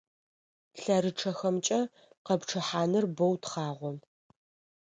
ЛъэрычъэхэмкӀэ къэпчъыхьаныр боу тхъагъо.